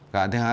cả thứ hai